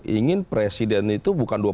ingin presiden itu bukan